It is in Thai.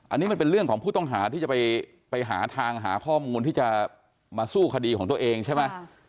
อันนี้มันเป็นเรื่องของผู้ต้องหาที่จะไปหาทางหาข้อมูลที่จะมาสู้คดีของตัวเองใช่ไหม